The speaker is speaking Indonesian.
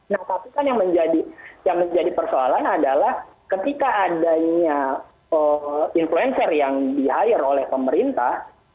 nah tapi kan yang menjadi persoalan adalah ketika adanya influencer yang di hire oleh pemerintah